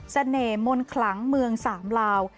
เสน่ห์มลคลังเมืองสามลาว